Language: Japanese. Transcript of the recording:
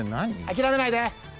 諦めないで。